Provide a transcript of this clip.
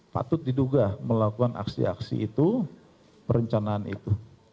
patut diduga melakukan aksi aksi itu perencanaan itu